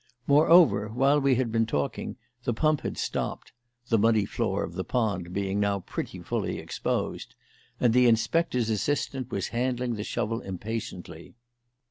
Moreover, while we had been talking, the pump had stopped (the muddy floor of the pond being now pretty fully exposed), and the inspector's assistant was handling the shovel impatiently.